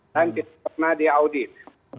dan tidak pernah diaudit